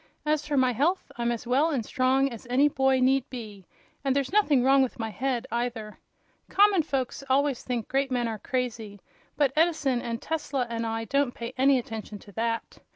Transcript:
As for my health, I'm as well and strong as any boy need be, and there's nothing wrong with my head, either. Common folks always think great men are crazy, but Edison and Tesla and I don't pay any attention to that.